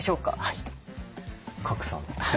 賀来さんは？